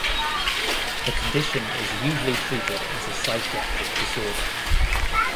The condition is usually treated as a psychiatric disorder.